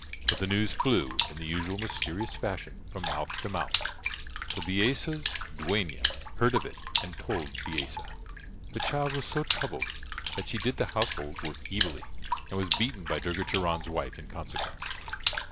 But the news flew, in the usual mysterious fashion, from mouth to mouth, till Bisesa's duenna heard of it and told Bisesa. The child was so troubled that she did the household work evilly, and was beaten by Durga Charan's wife in consequence.